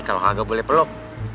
kalau kagak boleh peluk